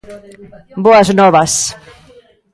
Boas novas.